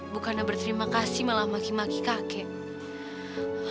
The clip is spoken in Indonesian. bukanlah berterima kasih malah maki maki kakek